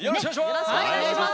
よろしくお願いします！